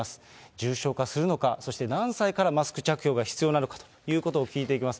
重症化するのかそして何歳からマスク着用が必要なのかということを聞いていきます。